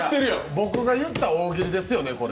僕が言った大喜利ですよね。